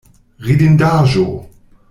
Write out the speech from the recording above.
Ridindaĵo!